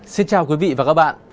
xin chào quý vị và các bạn